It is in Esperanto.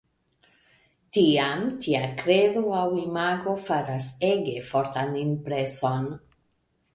Tiam tia kredo aŭ imago faras ege fortan impreson.